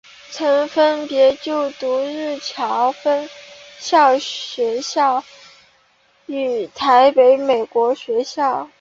曾分别就读日侨学校与台北美国学校。